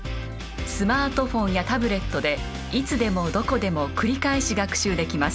スマートフォンやタブレットでいつでもどこでも繰り返し学習できます。